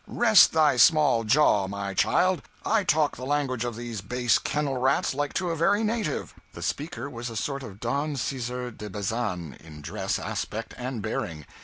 Rest thy small jaw, my child; I talk the language of these base kennel rats like to a very native." The speaker was a sort of Don Caesar de Bazan in dress, aspect, and bearing.